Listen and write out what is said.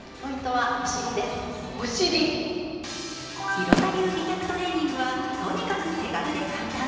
廣田流美脚トレーニングはとにかく手軽でかんたん。